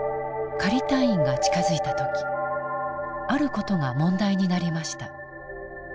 仮退院が近づいた時ある事が問題になりました。